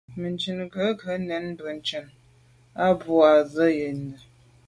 Mɛ̀ntchìn gə̀ rə̌ nə̀ bə́ mɛ̀ntchìn á bû jû zə̄ à rə̂.